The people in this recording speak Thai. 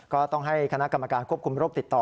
ก็ต้องให้คณะกรรมการควบคุมโรคติดต่อ